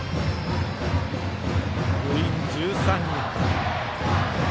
部員１３人。